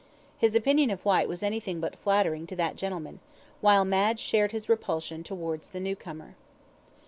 His opinion of Whyte was anything but flattering to that gentleman; while Madge shared his repulsion towards the new comer.